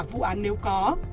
vụ án nếu có